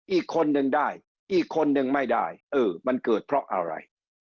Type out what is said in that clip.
อีกคนนึงได้อีกคนนึงไม่ได้เออมันเกิดเพราะอะไร